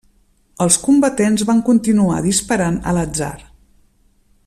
Els combatents van continuar disparant a l'atzar.